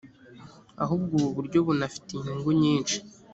ahubwo ubu buryo bunafite inyungu nyinshi